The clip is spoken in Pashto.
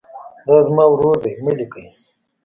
دا زما ورور ده مه لیکئ.